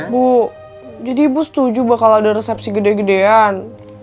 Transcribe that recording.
bu jadi ibu setuju bakal ada resepsi gede gedean